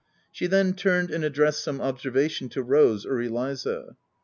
She then turned and addressed some observation to Rose or Eliza.